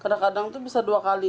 kadang kadang itu bisa dua kali